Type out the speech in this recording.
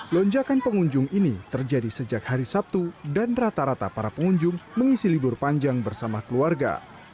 lonjakan pengunjung ini terjadi sejak hari sabtu dan rata rata para pengunjung mengisi libur panjang bersama keluarga